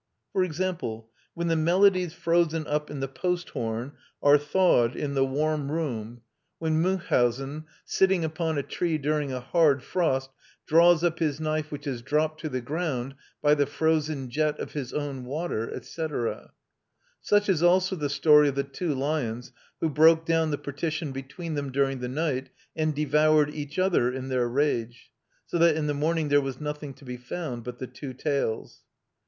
For example, when the melodies frozen up in the post horn are thawed in the warm room—when Münchhausen, sitting upon a tree during a hard frost, draws up his knife which has dropped to the ground by the frozen jet of his own water, &c. Such is also the story of the two lions who broke down the partition between them during the night and devoured each other in their rage, so that in the morning there was nothing to be found but the two tails.